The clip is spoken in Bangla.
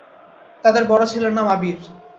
তাদের বড় ছেলের নাম আবীর।